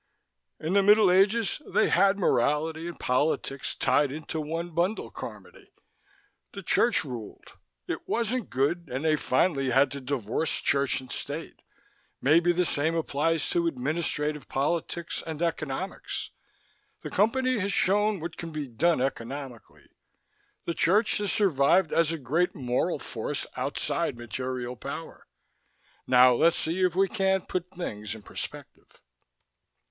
"In the middle ages, they had morality and politics tied into one bundle, Carmody. The church ruled. It wasn't good and they finally had to divorce church and state. Maybe the same applies to administrative politics and economics. The Company has shown what can be done economically. The church has survived as a great moral force outside material power. Now let's see if we can't put things in perspective.